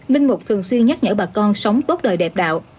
linh mục thường xuyên nhắc nhở bà con sống tốt đời đẹp đạo